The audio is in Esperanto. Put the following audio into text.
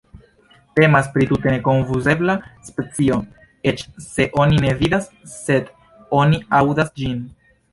Temas pri tute nekonfuzebla specio, eĉ se oni ne vidas sed oni aŭdas ĝin.